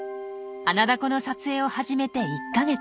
アナダコの撮影を始めて１か月。